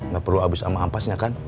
gak perlu habis sama ampas ya kan